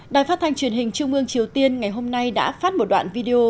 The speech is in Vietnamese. đài phát thanh truyền hình trung ương triều tiên ngày hôm nay đã phát một đoạn video